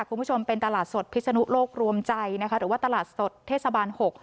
คุณผู้ชมเป็นตลาดสดพิศนุโลกรวมใจนะคะหรือว่าตลาดสดเทศบาล๖